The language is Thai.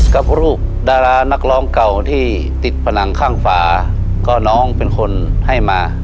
กับลูกดารานักร้องเก่าที่ติดผนังข้างฝาก็น้องเป็นคนให้มา